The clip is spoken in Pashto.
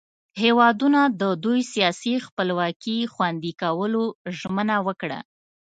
هیوادونو د دوئ سیاسي خپلواکي خوندي کولو ژمنه وکړه.